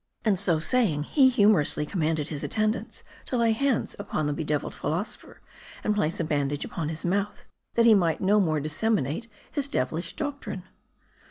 And so saying, he humorously commanded his attendants to lay hands upon the bedeviled philosopher, and place a bandage upon his mouth, that he might no more disseminate his devilish doctrine.